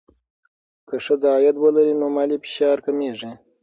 که ښځه عاید ولري، نو مالي فشار کمېږي.